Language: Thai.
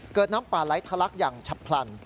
เกิดน้ำปลาไร้ทะลักษณ์อย่างฉับพลั่น